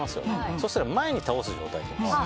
そうしたら前に倒す状態にします。